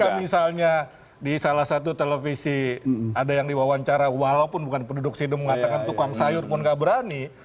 ketika misalnya di salah satu televisi ada yang diwawancara walaupun bukan penduduk sido mengatakan tukang sayur pun gak berani